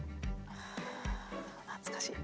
あ懐かしい。